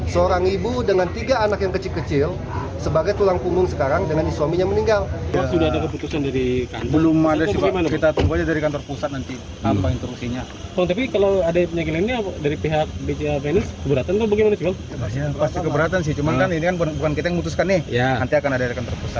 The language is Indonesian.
seorang ibu dengan tiga anak yang kecil kecil sebagai tulang punggung sekarang dengan suaminya meninggal